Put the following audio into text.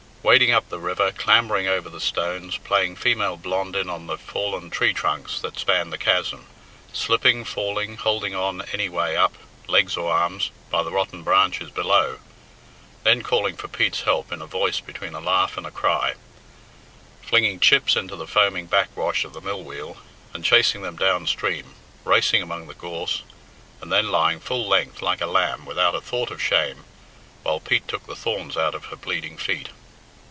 Wading up the river, clambering over the stones, playing female Blondin on the fallen tree trunks that spanned the chasm, slipping, falling, holding on any way up (legs or arms) by the rotten branches below, then calling for Pete's help in a voice between a laugh and a cry, flinging chips into the foaming back wash of the mill wheel, and chasing them down stream, racing among the gorse, and then lying full length like a lamb, without a thought of shame, while Pete took the thorns out of her bleeding feet.